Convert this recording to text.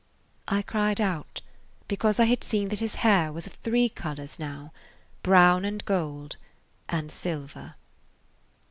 I cried out, because I had seen that his hair was of three colors now, brown and gold and silver.